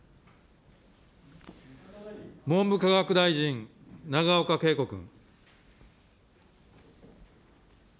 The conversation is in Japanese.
文部科学大臣、永岡桂子君。